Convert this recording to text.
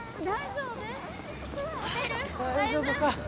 大丈夫か？